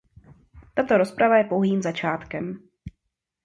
Tato rozprava je pouhým začátkem.